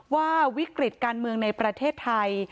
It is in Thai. ว่าวิกฤตการเมืองในประเทศไทย